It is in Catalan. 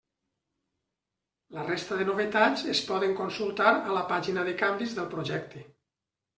La resta de novetats es poden consultar a la pàgina de canvis del projecte.